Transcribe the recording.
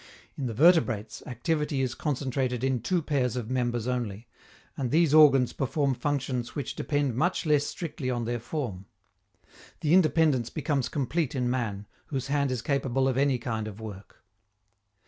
In the vertebrates, activity is concentrated in two pairs of members only, and these organs perform functions which depend much less strictly on their form. The independence becomes complete in man, whose hand is capable of any kind of work.